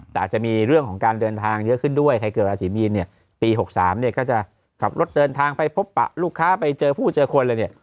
แต่อาจจะมีเรื่องของการเดินทางเยอะขึ้นด้วยใครเกิดราศีมีนเนี่ยปี๖๓เนี่ยก็จะขับรถเดินทางไปพบปะลูกค้าไปเจอผู้เจอคนเลยเนี่ย